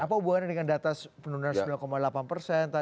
apa hubungannya dengan data penurunan sembilan delapan persen